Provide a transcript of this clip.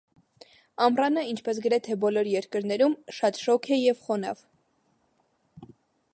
Ամռանը ինչպես գրեթե բոլոր երկրներում շատ շոգ է և խոնավ։